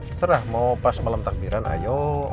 terserah mau pas malam takbiran ayo